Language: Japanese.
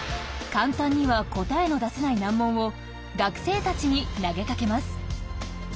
簡単には答えの出せない難問を学生たちに投げかけます。